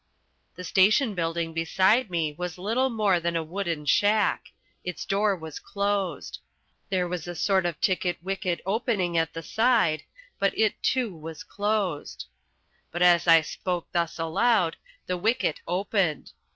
The station building beside me was little more than a wooden shack. Its door was closed. There was a sort of ticket wicket opening at the side, but it too was closed. But as I spoke thus aloud, the wicket opened.